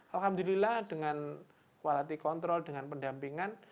alhamdulillah dengan kualitas kontrol dengan pendampingan